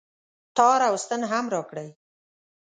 تار او ستن هم راکړئ